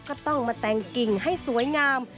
ก็ต้องมาแต่งกิ่งให้สวยงาม